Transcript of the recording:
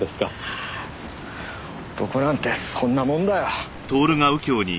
男なんてそんなもんだよ。